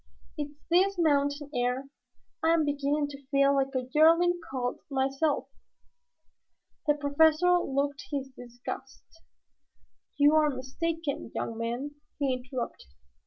It's this mountain air. I am beginning to feel like a yearling colt myself." The Professor looked his disgust. "You are mistaken, young man," he interrupted.